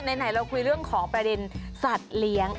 ไหนเราคุยเรื่องของประเด็นสัตว์เลี้ยง